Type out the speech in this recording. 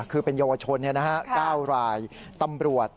คือเป็นเยาวชน๙รายตำรวจ